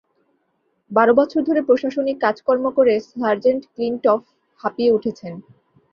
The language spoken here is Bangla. বারো বছর ধরে প্রশাসনিক কাজকর্ম করে, সার্জেন্ট ক্লিনটফ হাঁপিয়ে উঠেছেন।